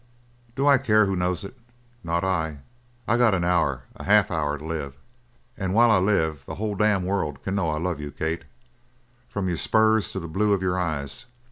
"Do I care who knows it? Not I! I got an hour half an hour to live; and while I live the whole damned world can know I love you, Kate, from your spurs to the blue of your eyes.